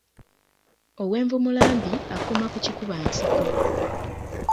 Ow’envumula mbi, akoma ku kikuba nsiko.